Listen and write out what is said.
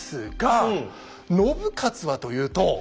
信雄はというと。